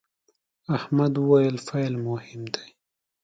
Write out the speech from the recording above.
احمد وويل: پیل مهم دی.